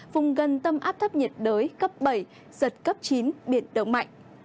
vùng gần tâm áp thấp nhiệt đới cấp bảy giật cấp chín biển động mạnh